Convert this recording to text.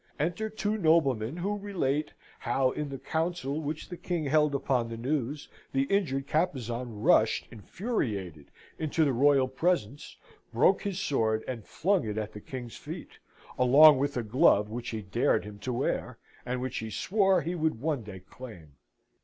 Enter two noblemen who relate how, in the council which the King held upon the news, the injured Carpezan rushed infuriated into the royal presence, broke his sword, and flung it at the King's feet along with a glove which he dared him to wear, and which he swore he would one day claim.